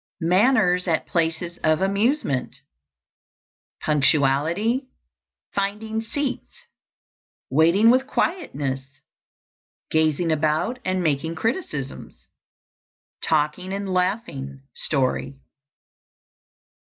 MANNERS AT PLACES OF AMUSEMENT. Punctuality. Finding seats. Waiting with quietness. Gazing about and making criticisms. _Talking and laughing, story.